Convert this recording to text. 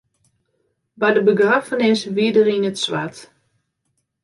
By de begraffenis wie er yn it swart.